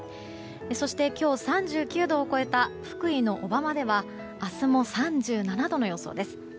そして、今日３９度を超えた福井の小浜では明日も３７度の予想です。